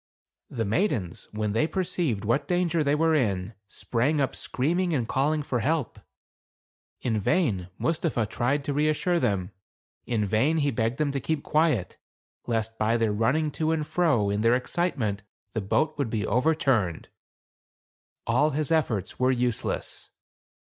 The maidens, when they perceived what dan ger they were in, sprang up screaming and call ing for help. In vain Mustapha tried to reas sure them ; in vain he begged them to keep quiet, 160 THE CAB AVAN. lest by their running two and fro in their excite ment, the boat would be overturned. All his ef forts were useless.